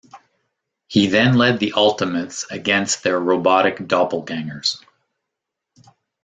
He then led the Ultimates against their robotic doppelgangers.